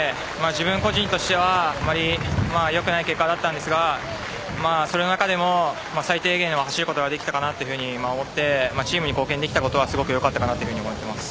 自分個人としては、あまり良くない結果だったんですがその中でも最低限走ることができたかなと思ってチームに貢献できたことは良かったかなと思います。